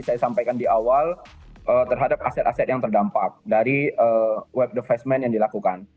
saya sampaikan di awal terhadap aset aset yang terdampak dari web de face man yang dilakukan